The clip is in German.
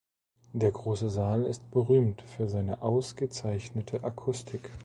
Der große Saal ist berühmt für seine ausgezeichnete Akustik.